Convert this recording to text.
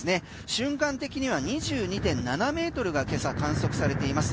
瞬間的には２２．７ｍが今朝、観測されています。